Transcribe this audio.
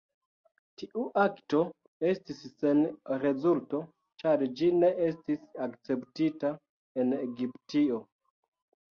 Tiu akto estis sen rezulto, ĉar ĝi ne estis akceptita en Egiptio.